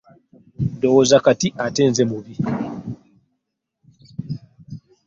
Ndowooza kati ate nze mubi.